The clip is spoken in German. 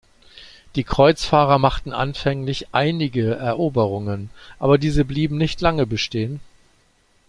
Die Kreuzfahrer machten anfänglich einige Eroberungen, aber diese blieben nicht lange bestehen.